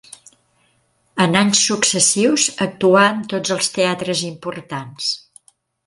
En anys successius actuà en tots els teatres importants.